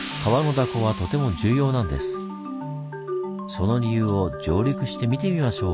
その理由を上陸して見てみましょう。